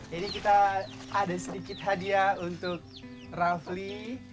jadi kita ada sedikit hadiah untuk raffi